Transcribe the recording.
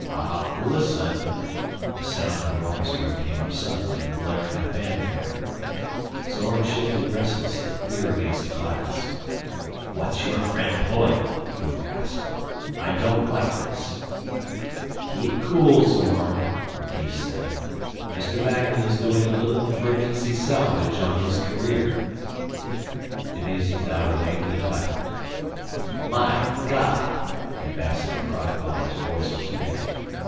Ah listen...." The sound of an orchestra came up suddenly, blaring a fanfare. Zorn shifted restlessly, ear against the glass. "What's your friend pulling?" he rasped. "I don't like this." "Keep cool, Zorn," Retief said. "Mr. Magnan is doing a little emergency salvage on his career." The music died away with a clatter. " My God," Ambassador Crodfoller's voice was faint.